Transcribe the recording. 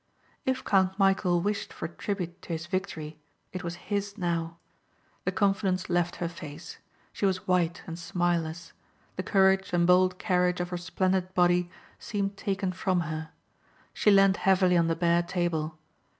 If Count Michæl wished for tribute to his victory it was his now. The confidence left her face. She was white and smileless. The courage and bold carriage of her splendid body seemed taken from her. She leaned heavily on the bare table.